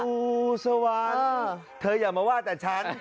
ครูสวรรค์เธออย่ามาว่าแต่ฉัน